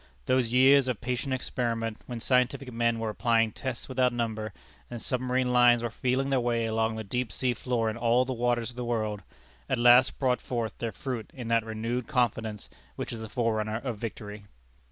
Those years of patient experiment, when scientific men were applying tests without number, and submarine lines were feeling their way along the deep sea floor in all the waters of the world, at last brought forth their fruit in that renewed confidence which is the forerunner of victory.